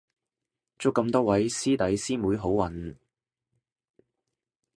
祝咁多位師弟師妹好運